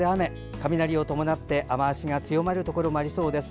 雷を伴って、雨足が強まるところもありそうです。